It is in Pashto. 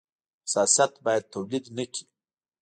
حساسیت باید تولید نه کړي.